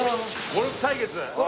ゴルフ対決！